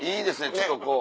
ちょっとこう。